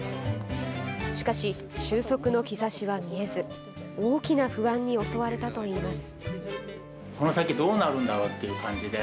しかし終息の兆しは見えず大きな不安に襲われたといいます。